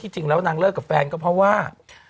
จริงแล้วนางเลิกกับแฟนก็เพราะว่า